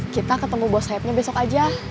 kita ketemu bos sayapnya besok aja